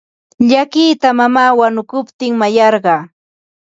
Llakita mamaa wanukuptin mayarqaa.